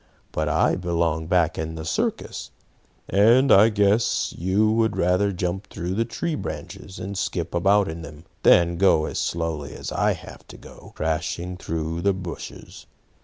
"But I belong back in the circus, and I guess you would rather jump through the tree branches, and skip about in them, than go as slowly as I have to go, crashing through the bushes.